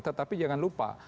tetapi jangan lupa